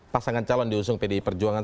pasangan calon diusung pdi perjuangan